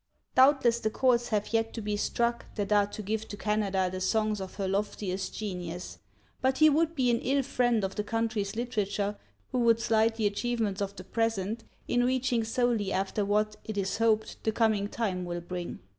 Doubtless the chords have yet to be struck that are to give to Canada the songs of her loftiest genius; but he would be an ill friend of the country's literature who would slight the achievements of the present in reaching solely after what, it is hoped, the coming time will bring.